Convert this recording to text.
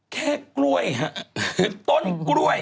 แค่กล้วยต้นกล้วย